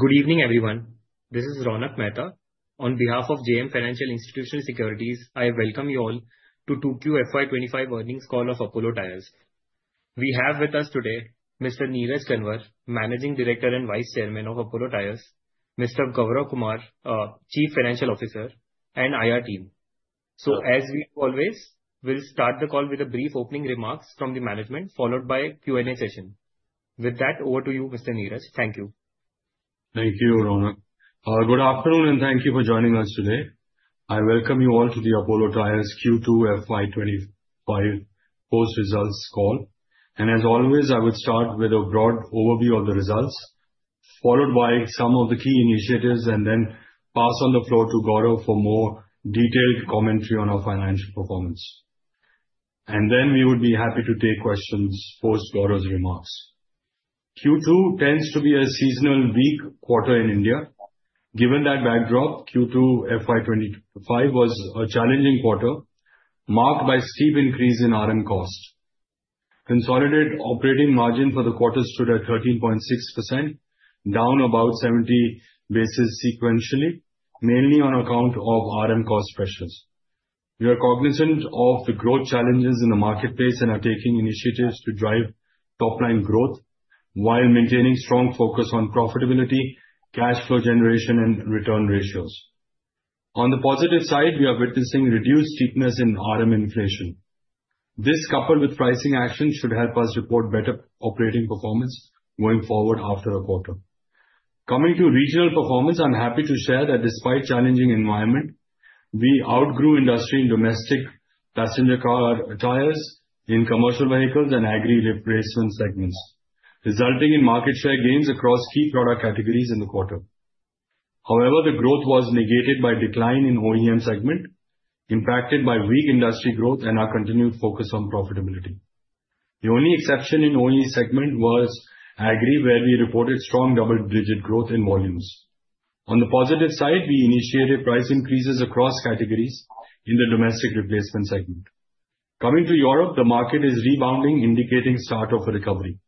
Good evening, everyone. This is Ronak Mehta. On behalf of JM Financial Institutional Securities, I welcome you all to 2Q FY25 earnings call of Apollo Tyres. We have with us today Mr. Neeraj Kanwar, Managing Director and Vice Chairman of Apollo Tyres, Mr. Gaurav Kumar, Chief Financial Officer, and IR team. So, as we do always, we'll start the call with a brief opening remarks from the management, followed by a Q&A session. With that, over to you, Mr. Neeraj. Thank you. Thank you, Ronak. Good afternoon, and thank you for joining us today. I welcome you all to the Apollo Tyres Q2 FY25 post-results call, and as always, I would start with a broad overview of the results, followed by some of the key initiatives, and then pass on the floor to Gaurav for more detailed commentary on our financial performance, and then we would be happy to take questions post Gaurav's remarks. Q2 tends to be a seasonal weak quarter in India. Given that backdrop, Q2 FY25 was a challenging quarter, marked by a steep increase in RM cost. Consolidated operating margin for the quarter stood at 13.6%, down about 70 basis points sequentially, mainly on account of RM cost pressures. We are cognizant of the growth challenges in the marketplace and are taking initiatives to drive top-line growth while maintaining a strong focus on profitability, cash flow generation, and return ratios. On the positive side, we are witnessing a reduced steepness in RM inflation. This, coupled with pricing actions, should help us report better operating performance going forward after the quarter. Coming to regional performance, I'm happy to share that despite the challenging environment, we outgrew industry in domestic passenger car tires, in commercial vehicles, and agri replacement segments, resulting in market share gains across key product categories in the quarter. However, the growth was negated by a decline in the OEM segment, impacted by weak industry growth, and our continued focus on profitability. The only exception in the OE segment was agri, where we reported strong double-digit growth in volumes. On the positive side, we initiated price increases across categories in the domestic replacement segment. Coming to Europe, the market is rebounding, indicating a start of recovery.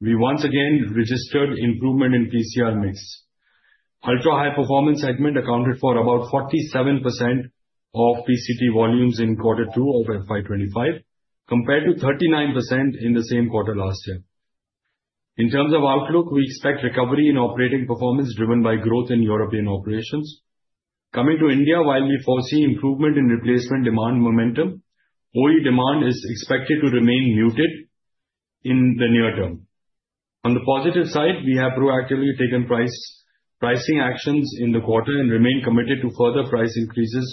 We once again registered improvement in PCR mix. Ultra-high performance segment accounted for about 47% of PCR volumes in Q2 of FY25, compared to 39% in the same quarter last year. In terms of outlook, we expect recovery in operating performance driven by growth in European operations. Coming to India, while we foresee improvement in replacement demand momentum, OE demand is expected to remain muted in the near term. On the positive side, we have proactively taken pricing actions in the quarter and remain committed to further price increases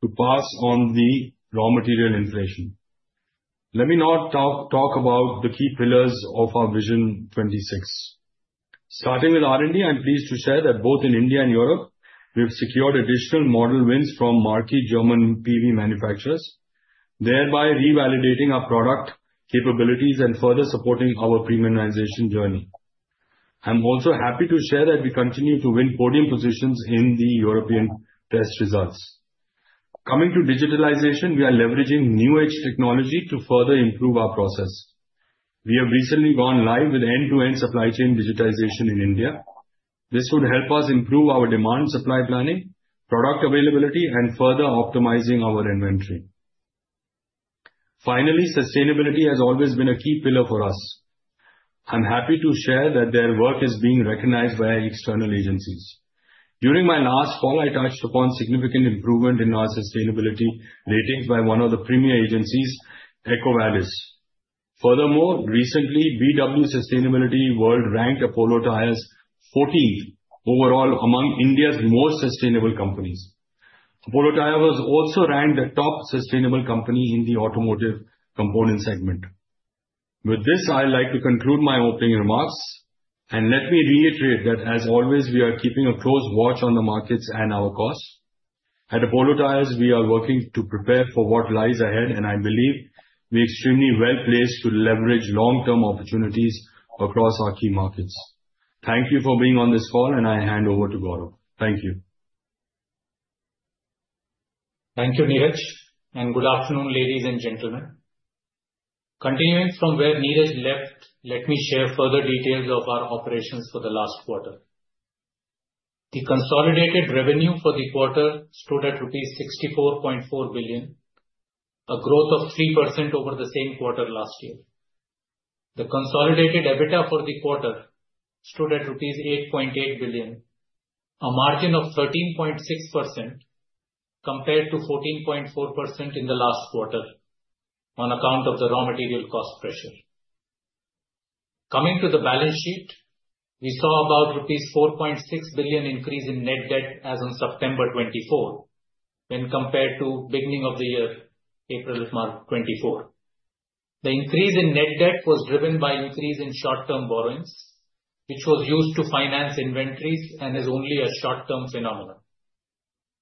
to pass on the raw material inflation. Let me now talk about the key pillars of our Vision 26. Starting with R&D, I'm pleased to share that both in India and Europe, we have secured additional model wins from marquee German PV manufacturers, thereby revalidating our product capabilities and further supporting our premiumization journey. I'm also happy to share that we continue to win podium positions in the European test results. Coming to digitalization, we are leveraging new-age technology to further improve our process. We have recently gone live with end-to-end supply chain digitization in India. This would help us improve our demand-supply planning, product availability, and further optimizing our inventory. Finally, sustainability has always been a key pillar for us. I'm happy to share that their work is being recognized by external agencies. During my last call, I touched upon significant improvement in our sustainability ratings by one of the premier agencies, EcoVadis. Furthermore, recently, BW Sustainability World ranked Apollo Tyres 14th overall among India's most sustainable companies. Apollo Tyres was also ranked the top sustainable company in the automotive component segment. With this, I'd like to conclude my opening remarks, and let me reiterate that, as always, we are keeping a close watch on the markets and our costs. At Apollo Tyres, we are working to prepare for what lies ahead, and I believe we are extremely well placed to leverage long-term opportunities across our key markets. Thank you for being on this call, and I hand over to Gaurav. Thank you. Thank you, Neeraj, and good afternoon, ladies and gentlemen. Continuing from where Neeraj left, let me share further details of our operations for the last quarter. The consolidated revenue for the quarter stood at rupees 64.4 billion, a growth of 3% over the same quarter last year. The consolidated EBITDA for the quarter stood at rupees 8.8 billion, a margin of 13.6% compared to 14.4% in the last quarter on account of the raw material cost pressure. Coming to the balance sheet, we saw about rupees 4.6 billion increase in net debt as of September 2024 when compared to the beginning of the year, April 2024. The increase in net debt was driven by an increase in short-term borrowings, which was used to finance inventories and is only a short-term phenomenon.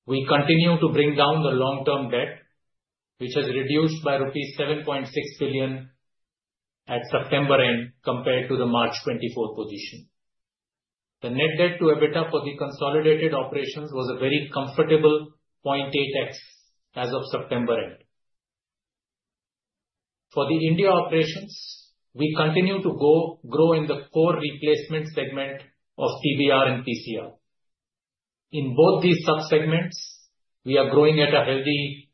We continue to bring down the long-term debt, which has reduced by rupees 7.6 billion at September end compared to the March 2024 position. The net debt-to-EBITDA for the consolidated operations was a very comfortable 0.8x as of September end. For the India operations, we continue to grow in the core replacement segment of TBR and PCR. In both these subsegments, we are growing at a healthy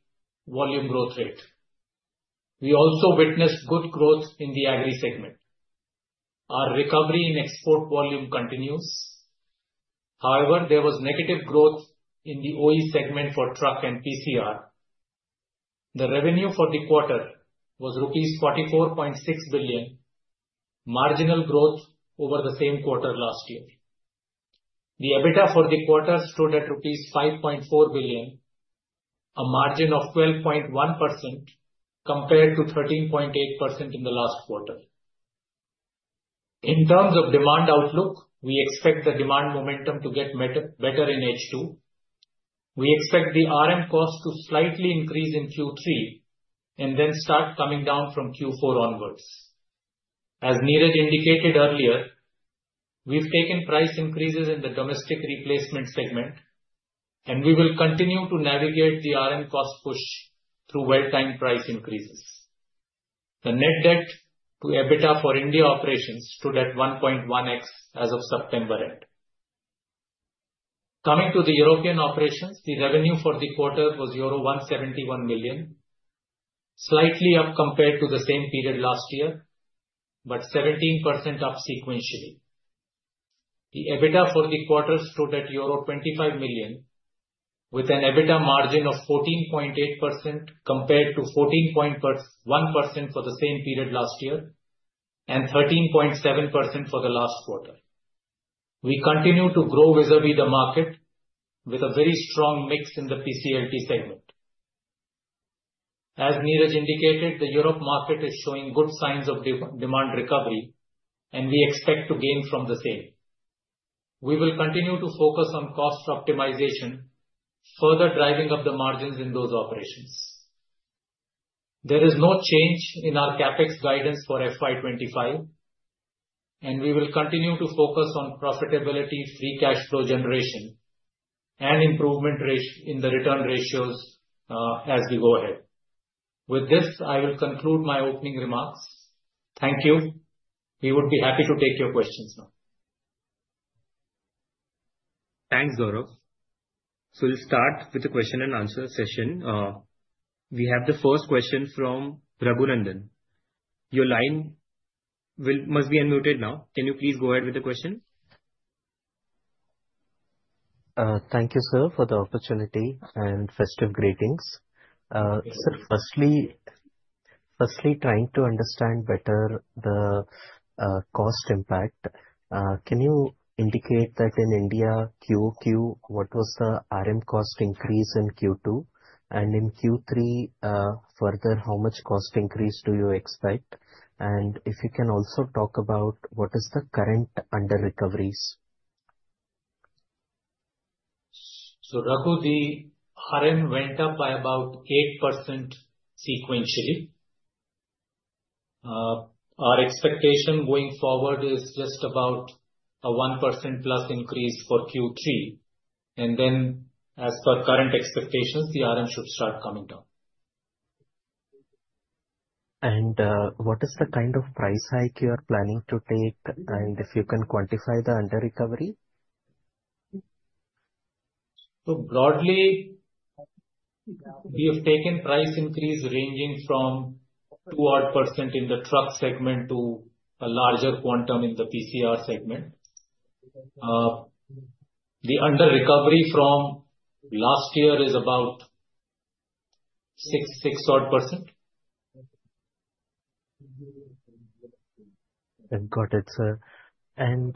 volume growth rate. We also witnessed good growth in the agri segment. Our recovery in export volume continues. However, there was negative growth in the OE segment for truck and PCR. The revenue for the quarter was rupees 44.6 billion, marginal growth over the same quarter last year. The EBITDA for the quarter stood at rupees 5.4 billion, a margin of 12.1% compared to 13.8% in the last quarter. In terms of demand outlook, we expect the demand momentum to get better in H2. We expect the RM cost to slightly increase in Q3 and then start coming down from Q4 onwards. As Neeraj indicated earlier, we've taken price increases in the domestic replacement segment, and we will continue to navigate the RM cost push through well-timed price increases. The net debt-to-EBITDA for India operations stood at 1.1x as of September end. Coming to the European operations, the revenue for the quarter was €171 million, slightly up compared to the same period last year, but 17% up sequentially. The EBITDA for the quarter stood at €25 million, with an EBITDA margin of 14.8% compared to 14.1% for the same period last year and 13.7% for the last quarter. We continue to grow vis-à-vis the market with a very strong mix in the PCLT segment. As Neeraj indicated, the Europe market is showing good signs of demand recovery, and we expect to gain from the same. We will continue to focus on cost optimization, further driving up the margins in those operations. There is no change in our CapEx guidance for FY25, and we will continue to focus on profitability, free cash flow generation, and improvement in the return ratios as we go ahead. With this, I will conclude my opening remarks. Thank you. We would be happy to take your questions now. Thanks, Gaurav. So we'll start with the question-and-answer session. We have the first question from Raghunandan. Your line must be unmuted now. Can you please go ahead with the question? Thank you, sir, for the opportunity and festive greetings. Sir, firstly, trying to understand better the cost impact, can you indicate that in India, Q2, what was the RM cost increase in Q2? And in Q3, further, how much cost increase do you expect? And if you can also talk about what is the current under-recoveries? Raghu, the RM went up by about 8% sequentially. Our expectation going forward is just about a 1%+ increase for Q3. As per current expectations, the RM should start coming down. What is the kind of price hike you are planning to take, and if you can quantify the under-recovery? So, broadly, we have taken price increase ranging from 2-odd percent in the truck segment to a larger quantum in the PCR segment. The under-recovery from last year is about 6-odd percent. I've got it, sir, and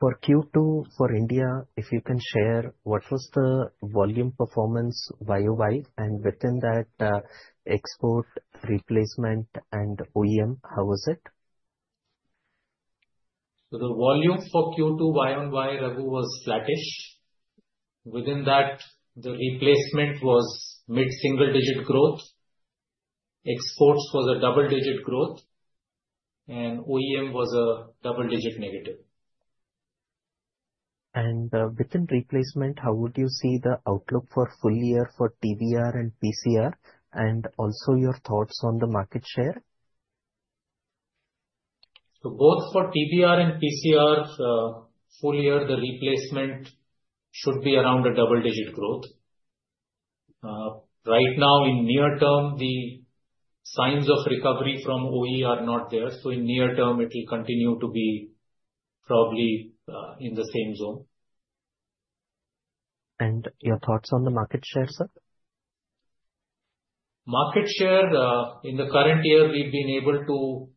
for Q2 for India, if you can share, what was the volume performance YOY, and within that, export, replacement, and OEM, how was it? So, the volume for Q2 Y on Y, Raghu, was flattish. Within that, the replacement was mid-single-digit growth. Exports was a double-digit growth, and OEM was a double-digit negative. Within replacement, how would you see the outlook for full year for TBR and PCR, and also your thoughts on the market share? So, both for TBR and PCR, full year, the replacement should be around a double-digit growth. Right now, in near term, the signs of recovery from OE are not there. So, in near term, it will continue to be probably in the same zone. Your thoughts on the market share, sir? Market share in the current year, we've been able to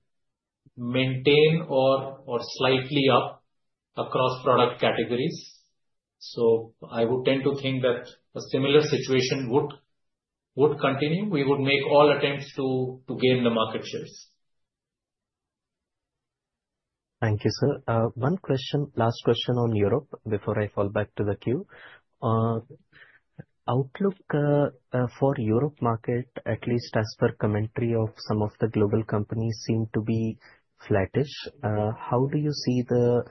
maintain or slightly up across product categories. So, I would tend to think that a similar situation would continue. We would make all attempts to gain the market shares. Thank you, sir. One question, last question on Europe before I fall back to the queue. Outlook for the Europe market, at least as per commentary of some of the global companies, seemed to be flattish. How do you see the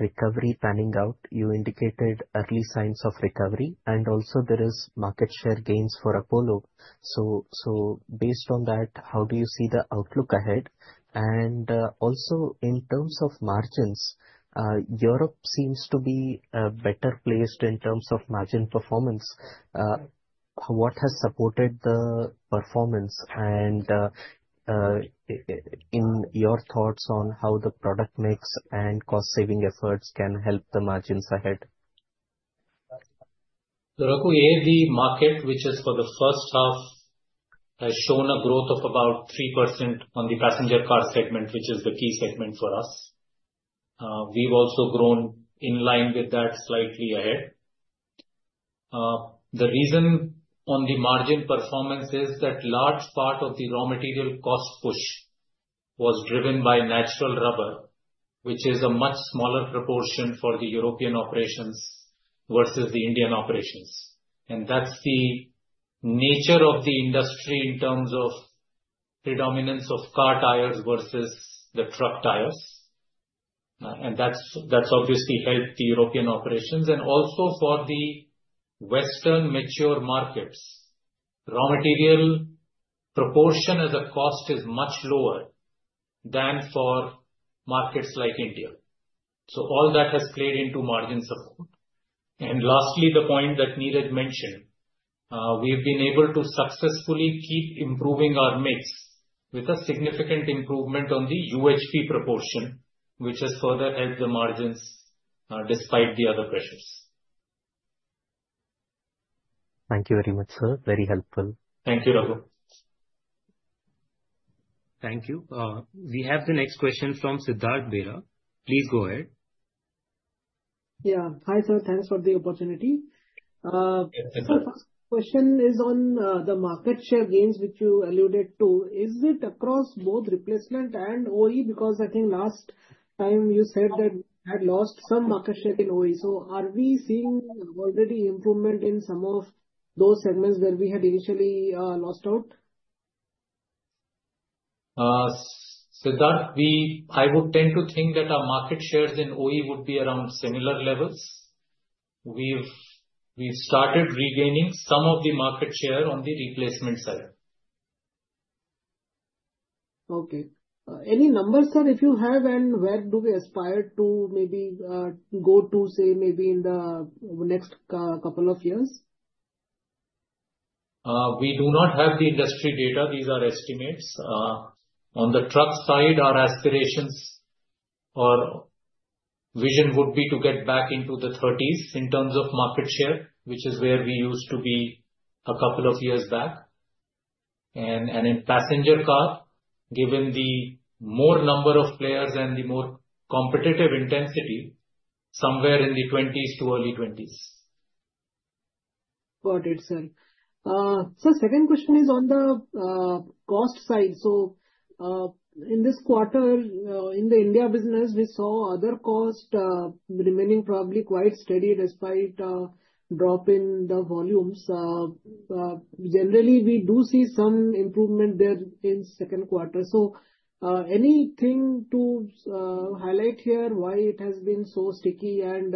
recovery panning out? You indicated early signs of recovery, and also there are market share gains for Apollo. So, based on that, how do you see the outlook ahead? And also, in terms of margins, Europe seems to be better placed in terms of margin performance. What has supported the performance? And in your thoughts on how the product mix and cost-saving efforts can help the margins ahead? Raghu, the EU market, which is for the first half, has shown a growth of about 3% on the passenger car segment, which is the key segment for us. We've also grown in line with that slightly ahead. The reason on the margin performance is that a large part of the raw material cost push was driven by natural rubber, which is a much smaller proportion for the European operations versus the Indian operations. That's the nature of the industry in terms of predominance of car tires versus the truck tires. That's obviously helped the European operations. Also for the Western mature markets, raw material proportion as a cost is much lower than for markets like India. All that has played into margin support. Lastly, the point that Neeraj mentioned, we've been able to successfully keep improving our mix with a significant improvement on the UHP proportion, which has further helped the margins despite the other pressures. Thank you very much, sir. Very helpful. Thank you, Raghu. Thank you. We have the next question from Siddharth Bera. Please go ahead. Yeah, hi sir. Thanks for the opportunity. Yes, sir. Sir, first question is on the market share gains, which you alluded to. Is it across both replacement and OE? Because I think last time you said that we had lost some market share in OE. So, are we seeing already improvement in some of those segments where we had initially lost out? Siddharth, I would tend to think that our market shares in OE would be around similar levels. We've started regaining some of the market share on the replacement side. Okay. Any numbers, sir, if you have, and where do we aspire to maybe go to, say, maybe in the next couple of years? We do not have the industry data. These are estimates. On the truck side, our aspirations or vision would be to get back into the 30s in terms of market share, which is where we used to be a couple of years back, and in passenger car, given the more number of players and the more competitive intensity, somewhere in the 20s to early 20s. Got it, sir. Sir, second question is on the cost side. So, in this quarter, in the India business, we saw other cost remaining probably quite steady despite a drop in the volumes. Generally, we do see some improvement there in the second quarter. So, anything to highlight here why it has been so sticky and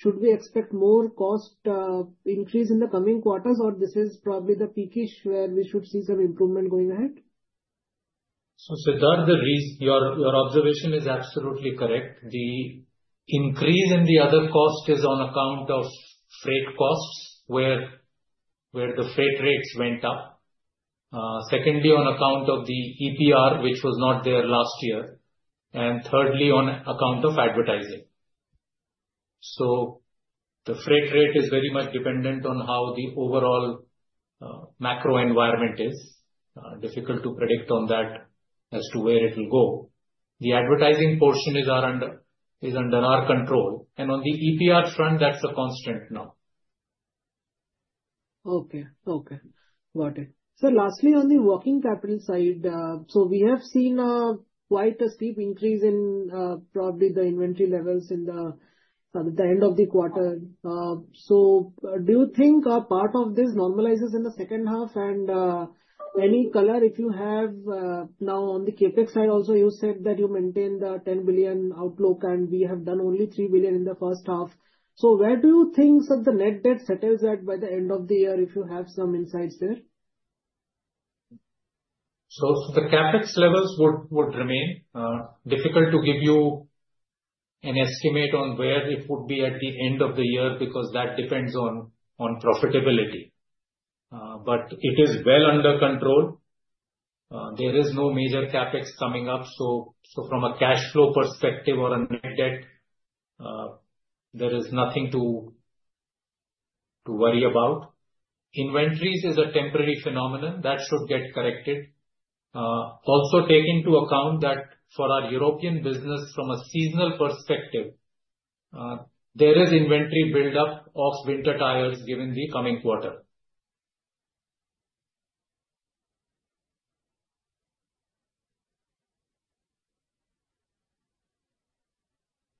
should we expect more cost increase in the coming quarters, or this is probably the peakish where we should see some improvement going ahead? Siddharth, your observation is absolutely correct. The increase in the other cost is on account of freight costs, where the freight rates went up. Secondly, on account of the EPR, which was not there last year. And thirdly, on account of advertising. The freight rate is very much dependent on how the overall macro environment is. Difficult to predict on that as to where it will go. The advertising portion is under our control. And on the EPR front, that's a constant now. Okay. Okay. Got it. Sir, lastly, on the working capital side, so we have seen quite a steep increase in probably the inventory levels at the end of the quarter. So, do you think a part of this normalizes in the second half? And any color, if you have, now on the CapEx side, also you said that you maintain the ₹10 billion outlook, and we have done only ₹3 billion in the first half. So, where do you think the net debt settles at by the end of the year, if you have some insights there? So, the CAPEX levels would remain. Difficult to give you an estimate on where it would be at the end of the year because that depends on profitability. But it is well under control. There is no major CAPEX coming up. So, from a cash flow perspective or a net debt, there is nothing to worry about. Inventories is a temporary phenomenon. That should get corrected. Also, take into account that for our European business, from a seasonal perspective, there is inventory buildup of winter tires given the coming quarter.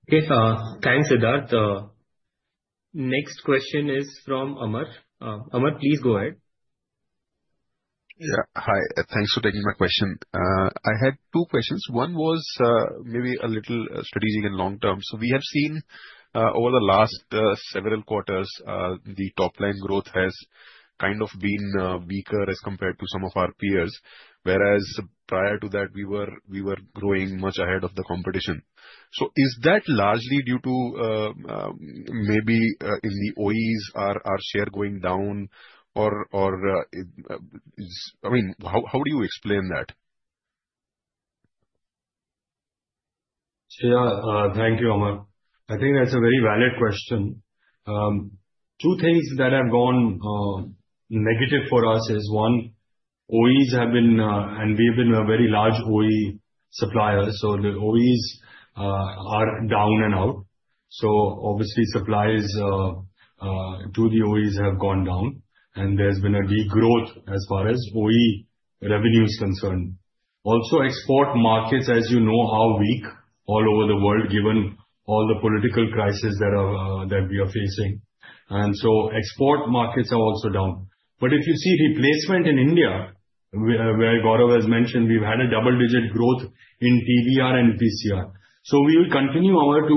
Okay, sir. Thanks, Siddharth. Next question is from Amar. Amar, please go ahead. Yeah, hi. Thanks for taking my question. I had two questions. One was maybe a little strategic and long-term. So, we have seen over the last several quarters, the top-line growth has kind of been weaker as compared to some of our peers, whereas prior to that, we were growing much ahead of the competition. So, is that largely due to maybe in the OEMs, our share going down? Or, I mean, how do you explain that? So, yeah, thank you, Amar. I think that's a very valid question. Two things that have gone negative for us is, one, OEs have been, and we have been a very large OE supplier. So, the OEs are down and out. So, obviously, supplies to the OEs have gone down, and there's been a degrowth as far as OE revenue is concerned. Also, export markets, as you know, are weak all over the world, given all the political crises that we are facing. And so, export markets are also down. But if you see replacement in India, where Gaurav has mentioned, we've had a double-digit growth in TBR and PCR. So, we will continue, Amar, to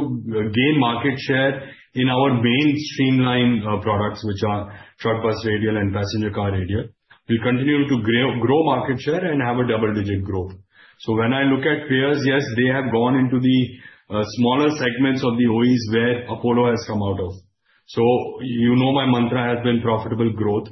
gain market share in our main streamline products, which are truck bus radial and passenger car radial. We'll continue to grow market share and have a double-digit growth. So, when I look at peers, yes, they have gone into the smaller segments of the OEMs where Apollo has come out of. So, you know my mantra has been profitable growth.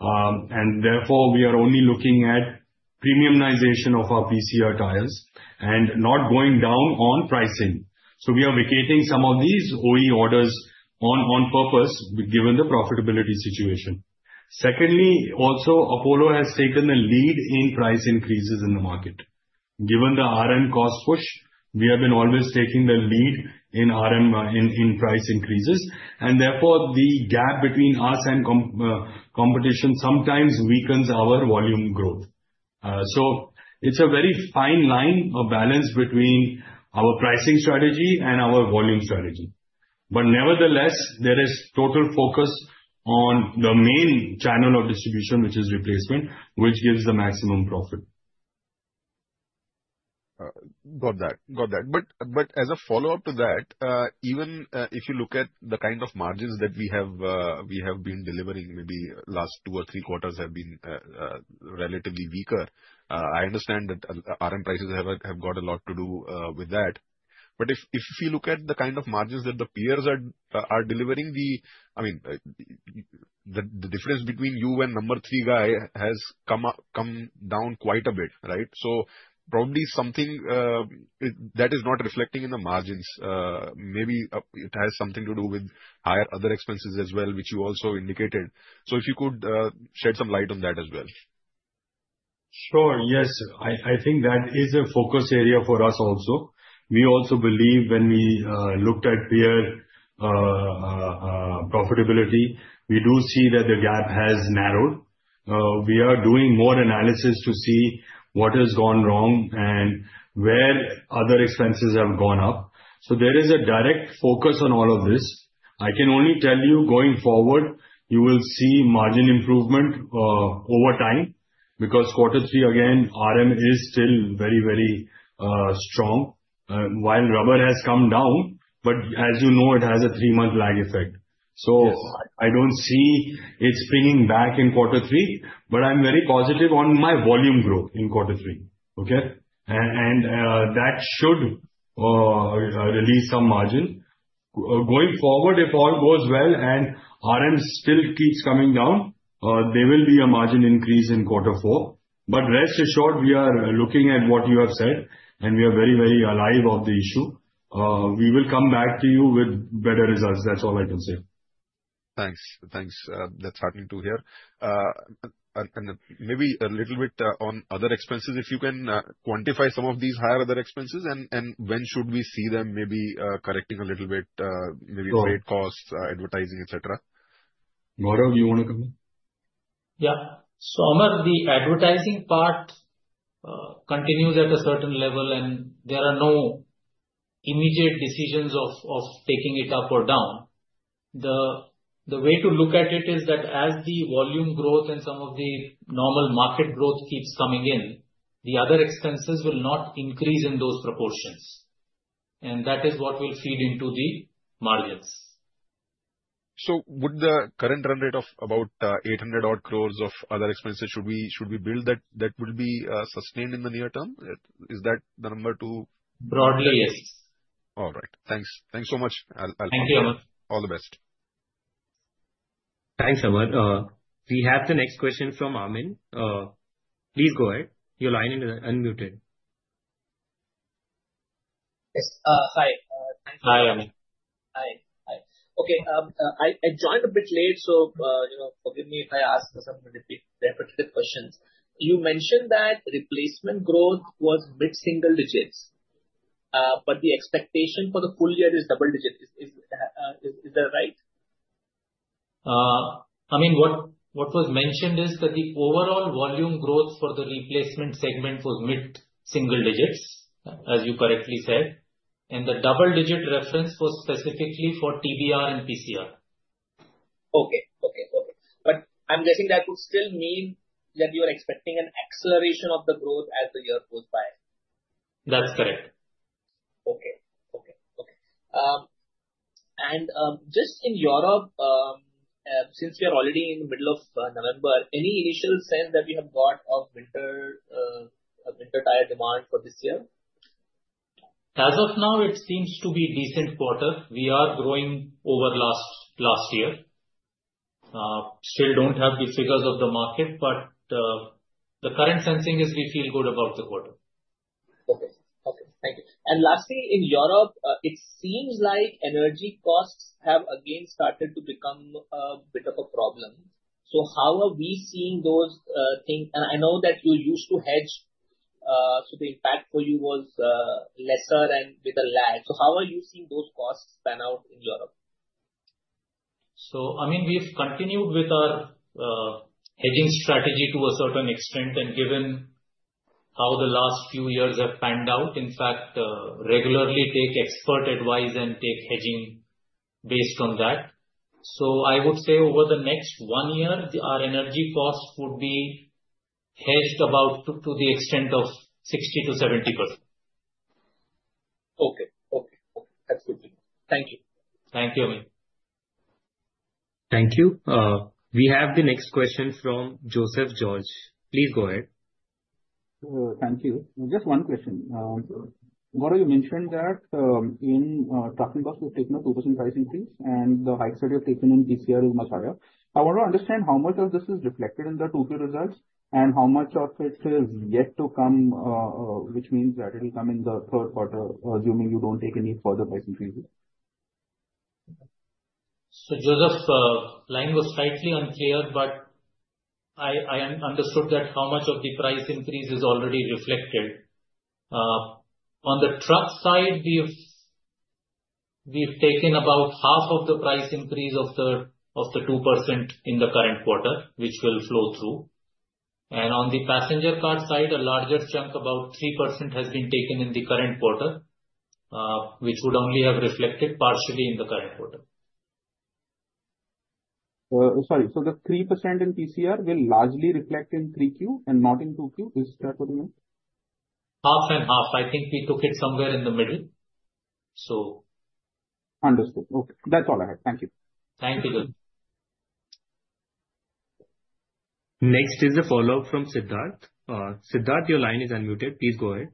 And therefore, we are only looking at premiumization of our PCR tires and not going down on pricing. So, we are vacating some of these OEM orders on purpose, given the profitability situation. Secondly, also, Apollo has taken the lead in price increases in the market. Given the RM cost push, we have been always taking the lead in RM in price increases. And therefore, the gap between us and competition sometimes weakens our volume growth. So, it's a very fine line of balance between our pricing strategy and our volume strategy. But nevertheless, there is total focus on the main channel of distribution, which is replacement, which gives the maximum profit. Got that. Got that. But as a follow-up to that, even if you look at the kind of margins that we have been delivering, maybe last two or three quarters have been relatively weaker. I understand that RM prices have got a lot to do with that. But if you look at the kind of margins that the peers are delivering, I mean, the difference between you and number three guy has come down quite a bit, right? So, probably something that is not reflecting in the margins. Maybe it has something to do with higher other expenses as well, which you also indicated. So, if you could shed some light on that as well. Sure. Yes, sir. I think that is a focus area for us also. We also believe when we looked at peer profitability, we do see that the gap has narrowed. We are doing more analysis to see what has gone wrong and where other expenses have gone up. So, there is a direct focus on all of this. I can only tell you, going forward, you will see margin improvement over time because quarter three, again, RM is still very, very strong, while rubber has come down. But as you know, it has a three-month lag effect. So, I don't see it springing back in quarter three, but I'm very positive on my volume growth in quarter three. Okay? And that should release some margin. Going forward, if all goes well and RM still keeps coming down, there will be a margin increase in quarter four. But rest assured, we are looking at what you have said, and we are very, very aware of the issue. We will come back to you with better results. That's all I can say. Thanks. Thanks. That's heartening to hear, and maybe a little bit on other expenses, if you can quantify some of these higher other expenses, and when should we see them maybe correcting a little bit, maybe freight costs, advertising, etc.? Gaurav, do you want to come in? Yeah, so, Amar, the advertising part continues at a certain level, and there are no immediate decisions of taking it up or down. The way to look at it is that as the volume growth and some of the normal market growth keeps coming in, the other expenses will not increase in those proportions. And that is what will feed into the margins. So, would the current run rate of about ₹800-odd crores of other expenses, should we build that, be sustained in the near term? Is that the number to? Broadly, yes. All right. Thanks. Thanks so much. Thank you, Amar. All the best. Thanks, Amar. We have the next question from Amin. Please go ahead. Your line is unmuted. Yes. Hi. Hi, Amin. Hi. Hi. Okay. I joined a bit late, so forgive me if I ask some repetitive questions. You mentioned that replacement growth was mid-single digits, but the expectation for the full year is double digit. Is that right? Amin, what was mentioned is that the overall volume growth for the replacement segment was mid-single digits, as you correctly said, and the double-digit reference was specifically for TBR and PCR. Okay. But I'm guessing that would still mean that you are expecting an acceleration of the growth as the year goes by. That's correct. And just in Europe, since we are already in the middle of November, any initial sense that we have got of winter tire demand for this year? As of now, it seems to be a decent quarter. We are growing over last year. Still don't have the figures of the market, but the current sensing is we feel good about the quarter. Okay. Okay. Thank you. And lastly, in Europe, it seems like energy costs have again started to become a bit of a problem. So how are we seeing those things? And I know that you used to hedge, so the impact for you was lesser and with a lag. So how are you seeing those costs pan out in Europe? So, I mean, we've continued with our hedging strategy to a certain extent, and given how the last few years have panned out, in fact, regularly take expert advice and take hedging based on that. So I would say over the next one year, our energy costs would be hedged about to the extent of 60%-70%. Okay. That's good. Thank you. Thank you, Amin. Thank you. We have the next question from Joseph George. Please go ahead. Thank you. Just one question. Gaurav, you mentioned that in truck and bus, we've taken a 2% price increase, and the highest that you have taken in PCR is much higher. I want to understand how much of this is reflected in the Q2 results and how much of it is yet to come, which means that it will come in the third quarter, assuming you don't take any further price increases. Joseph, the line was slightly unclear, but I understood that, how much of the price increase is already reflected. On the truck side, we've taken about half of the price increase of the 2% in the current quarter, which will flow through. On the passenger car side, a larger chunk, about 3%, has been taken in the current quarter, which would only have reflected partially in the current quarter. Sorry. So the 3% in PCR will largely reflect in 3Q and not in 2Q. Is that what you mean? Half and half. I think we took it somewhere in the middle, so. Understood. Okay. That's all I have. Thank you. Thank you, Joseph. Next is a follow-up from Siddharth. Siddharth, your line is unmuted. Please go ahead.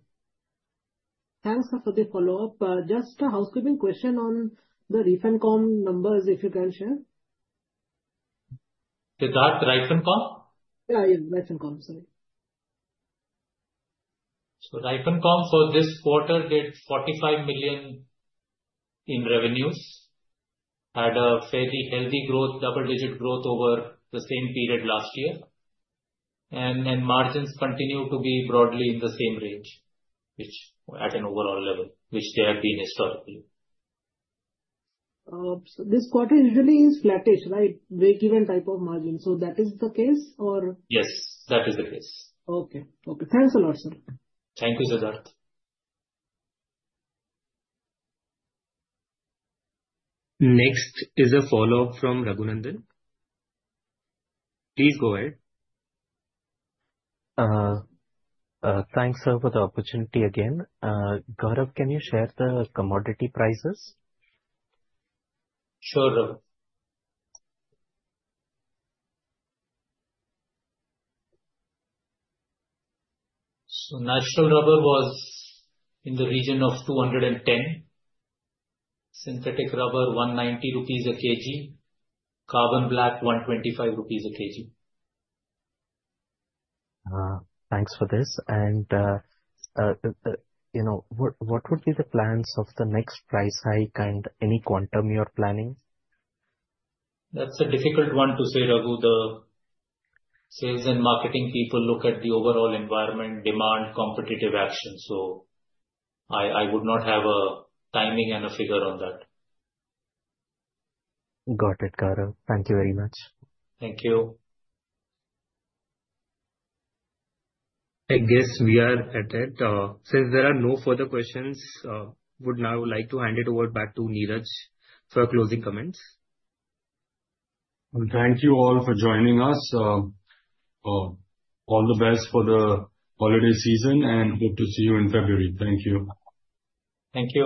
Thanks for the follow-up. Just a housekeeping question on the Reifen.com numbers, if you can share? Siddharth, Reifen.com? Yeah, yeah. Reifen.com, sorry. So Reifen.com for this quarter did 45 million in revenues, had a fairly healthy growth, double-digit growth over the same period last year. And then margins continue to be broadly in the same range, which at an overall level they have been historically. So this quarter usually is flattish, right? Break-even type of margin. So that is the case, or? Yes, that is the case. Okay. Okay. Thanks a lot, sir. Thank you, Siddharth. Next is a follow-up from Raghunandan. Please go ahead. Thanks, sir, for the opportunity again. Gaurav, can you share the commodity prices? Sure, Raghunandan. So natural rubber was in the region of 210. Synthetic rubber, 190 rupees a kg. Carbon black, 125 rupees a kg. Thanks for this. And what would be the plans of the next price hike and any quantum you are planning? That's a difficult one to say, Raghu. The sales and marketing people look at the overall environment, demand, competitive action. So I would not have a timing and a figure on that. Got it, Gaurav. Thank you very much. Thank you. I guess we are at it. Since there are no further questions, would now like to hand it over back to Neeraj for closing comments. Thank you all for joining us. All the best for the holiday season, and hope to see you in February. Thank you. Thank you.